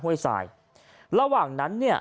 ห้วยทรายระหว่างนั้นเนี่ย